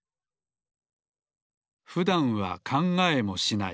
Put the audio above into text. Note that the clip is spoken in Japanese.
ふだんは考えもしない。